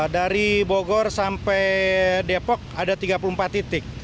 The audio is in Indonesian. dari bogor sampai depok ada tiga puluh empat titik